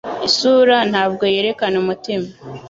Isura ntabwo yerekana umutima